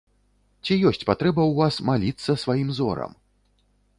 Ці ёсць патрэба ў вас маліцца сваім зорам?